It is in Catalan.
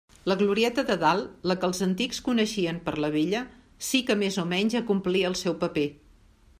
La glorieta de dalt, la que els antics coneixien per la Vella, sí que més o menys acomplí el seu paper.